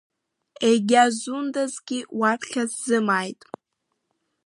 Егьа зундазгьы уаԥхьа сзымааит.